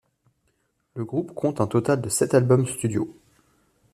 Le groupe compte un total de sept albums studio.